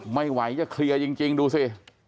ไม่ไหวจะเคลียร์จริงดูสิ